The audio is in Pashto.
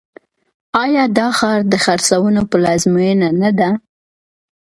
آیا دا ښار د خرسونو پلازمینه نه ده؟